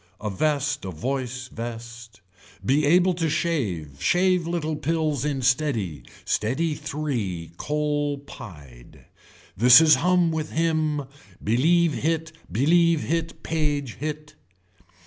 A vest a voice vest. Be able to shave, shave little pills in steady, steady three, coal pied. This is hum with him, believe hit believe hit page it.